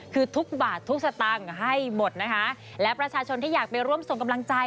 คือทุกบาททุกสตางค์ให้หมดนะคะและประชาชนที่อยากไปร่วมส่งกำลังใจ